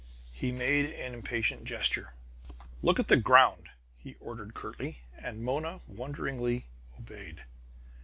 He made an impatient gesture. "Look at the ground!" he ordered curtly; and Mona wonderingly obeyed.